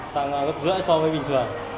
tăng gấp rưỡi so với bình thường